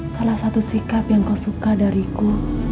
salah satu sikap yang kau suka dariku